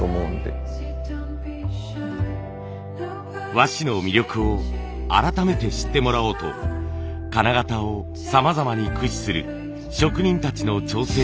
和紙の魅力を改めて知ってもらおうと金型をさまざまに駆使する職人たちの挑戦に迫ります。